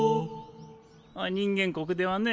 人間国ではね